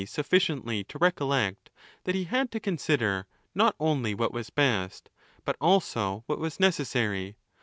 sufficiently to recollect that he had to consider, not only what was best, but also what was necessary.